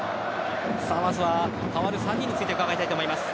まずは代わる３人について伺います。